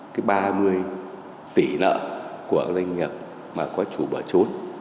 cái ba mươi tỷ nợ của doanh nghiệp mà có chủ bờ chốt